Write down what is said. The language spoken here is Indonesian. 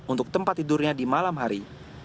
untuk tempat tidurnya di malam hari